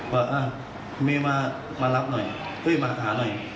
บอกว่ามารับหน่อยมาหาหน่อย